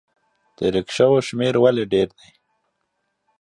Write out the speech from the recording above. د ریکشاوو شمیر ولې ډیر دی؟